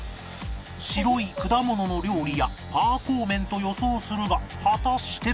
白い果物の料理やパーコー麺と予想するが果たして